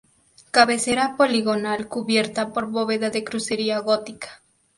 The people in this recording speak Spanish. Cabecera poligonal cubierta por bóveda de crucería gótica.